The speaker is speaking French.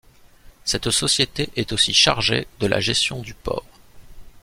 Cette société est aussi chargée de la gestion du port.